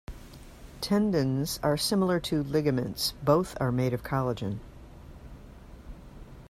Tendons are similar to ligaments; both are made of collagen.